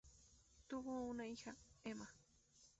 Tuvo una hija, Emma.